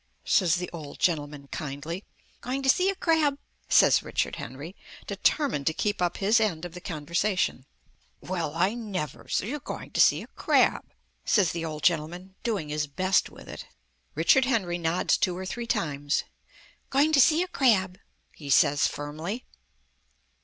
says the old gentleman kindly. "Going to see a crab," says Richard Henry, determined to keep up his end of the conversation. "Well, I never! So you're going to see a crab!" says the old gentleman, doing his best with it. Richard Henry nods two or three times. "Going to see a crab," he says firmly.